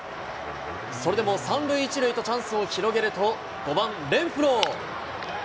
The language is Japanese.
それでも３塁１塁とチャンスを広げると、５番レンフロー。